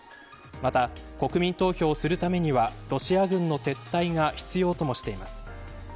また、国民投票をするためにはロシア軍の撤退が必要ともしています。